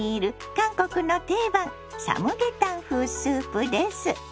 韓国の定番サムゲタン風スープです。